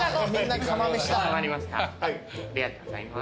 ありがとうございます。